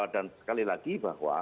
dan sekali lagi bahwa